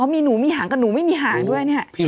มีหนูมีหางกับหนูไม่มีหางด้วยเนี่ย